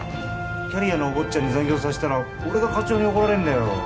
キャリアのお坊ちゃんに残業さしたら俺が課長に怒られるんだよ